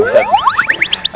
pak ustadz bener nih